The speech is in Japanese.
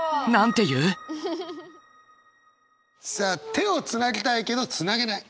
さあ手をつなぎたいけどつなげない。